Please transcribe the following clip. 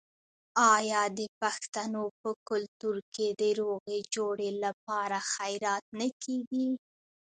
آیا د پښتنو په کلتور کې د روغې جوړې لپاره خیرات نه کیږي؟